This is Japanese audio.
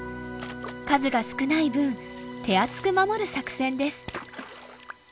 数が少ない分手厚く守る作戦です。